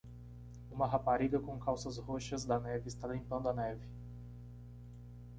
Uma rapariga com calças roxas da neve está limpando a neve.